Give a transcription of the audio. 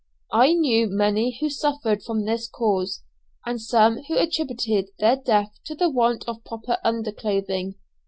I knew many who suffered from this cause, and some who attributed their death to the want of proper under clothing.